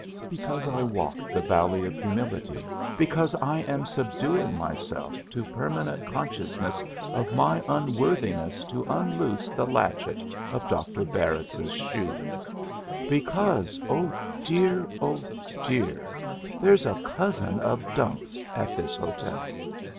Because I walk the Valley of Humility. Because I am subduing myself to permanent consciousness of my unworthiness to unloose the latchet of Dr. Barritz's shoe. Because, oh dear, oh dear, there's a cousin of Dumps at this hotel!